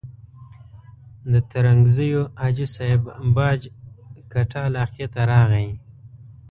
د ترنګزیو حاجي صاحب باج کټه علاقې ته راغی.